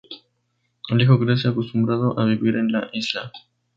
El hijo crece acostumbrado a vivir en la isla.